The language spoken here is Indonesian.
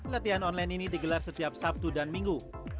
latihan online ini digelar setiap sabtu dan minggu